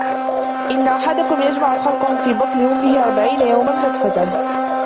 إِنَّ أَحَدَكُمْ يُجْمَعُ خَلْقُهُ فِي بَطْنِ أُمِّهِ أَرْبَعِينَ يَوْمًا نُطْفَةً،